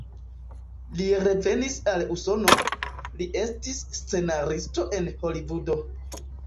Li revenis al Usono, li estis scenaristo en Holivudo.